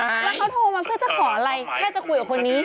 แล้วเค้าโทรมาเพื่อจะขออะไรกินเฉพาะแบบคุยกับคนนี้